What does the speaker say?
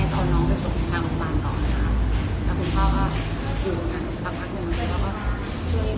คุณพ่อน้องโตตังค์ไว้นะครับพ่อน้องก็ผิดโทษว่าการสมองเสียหา